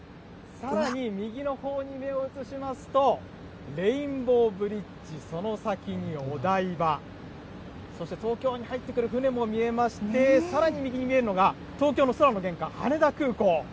さらに右のほうに目を移しますと、レインボーブリッジ、その先にお台場、そして東京に入ってくる船も見えまして、さらに右に見えるのが東京の空の玄関、羽田空港。